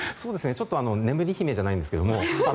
ちょっと眠り姫じゃないんですけど。